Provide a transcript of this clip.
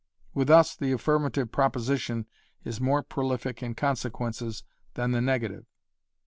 With us the affirmative proposition is more prolific in consequences than the negative.